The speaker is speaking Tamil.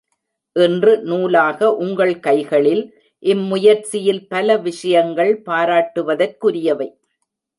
இன்று நூலாக உங்கள் கைகளில்.... இம்முயற்சியில் பல விஷயங்கள் பராட்டுவதற்குரியவை.